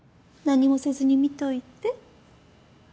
何もせずに見といて。